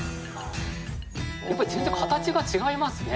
やっぱり全然形が違いますね。